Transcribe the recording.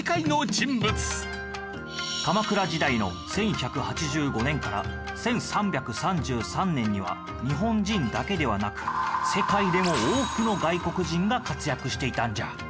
鎌倉時代の１１８５年から１３３３年には日本人だけではなく世界でも多くの外国人が活躍していたんじゃ。